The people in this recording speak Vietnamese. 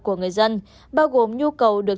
của người dân bao gồm nhu cầu được